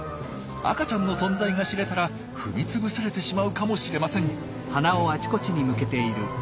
赤ちゃんの存在が知れたら踏みつぶされてしまうかもしれません。